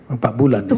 empat bulan disitu